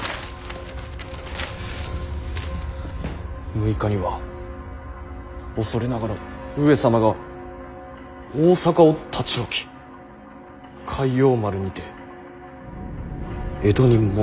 「６日には恐れながら上様が大坂を立ち退き開陽丸にて江戸に戻られた」。